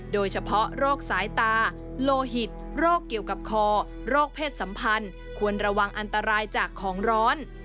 โดยเฉพาะโรคสายตาโลหิตโรคเกี่ยวกับคอโรคเพศสัมพันธ์ควรระวังอันตรายจากของร้อน